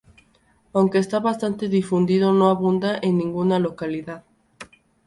Aunque está bastante difundido, no abunda en ninguna localidad.